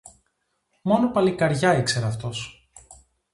Μόνο παλικαριά ήξερε αυτός.